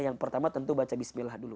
yang pertama tentu baca bismillah dulu